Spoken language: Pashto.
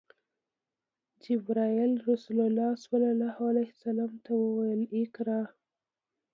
جبرئیل رسول الله ته وویل: “اقرأ!”